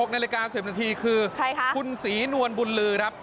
๖นาฬิกา๑๐นาทีคือคุณศรีนวลบุญลือครับ